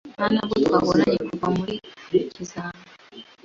na ntabwo twabonanye kuva muri kaminuza.